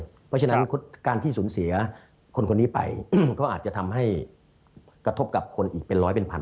เพราะฉะนั้นการที่สูญเสียคนคนนี้ไปมันก็อาจจะทำให้กระทบกับคนอีกเป็นร้อยเป็นพัน